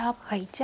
はい。